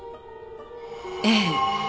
ええ。